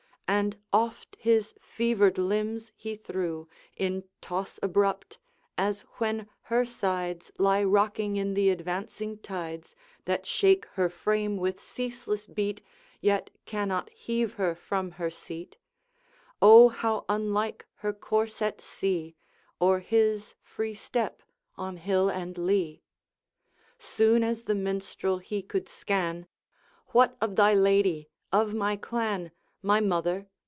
And oft his fevered limbs he threw In toss abrupt, as when her sides Lie rocking in the advancing tides, That shake her frame with ceaseless beat, Yet cannot heave her from her seat; O, how unlike her course at sea! Or his free step on hill and lea! Soon as the Minstrel he could scan, 'What of thy lady? of my clan? My mother?